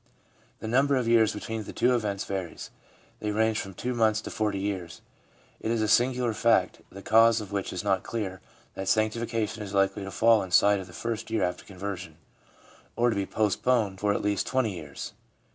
The number of years between the two events varies. They range from two months to forty years. It is a singular fact, the cause of which is not clear, that sanctification is likely to fall inside of the first year after conversion, or to be postponed for at least twenty years.